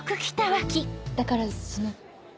だからその。